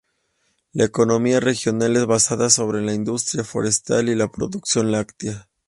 La economía regional es basada sobre la industria forestal y la producción láctea.